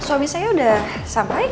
suami saya udah sampai